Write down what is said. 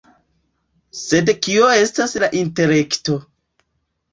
Sed kio estas la intelekto?